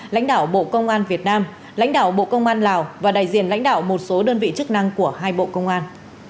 lãnh đạo bộ công an việt nam lãnh đạo bộ công an lào và đại diện lãnh đạo một số đơn vị chức năng của hai bộ công an